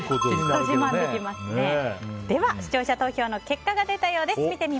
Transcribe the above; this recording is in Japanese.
では、視聴者投票の結果が出たようです。